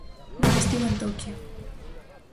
Non estivo en Toquio.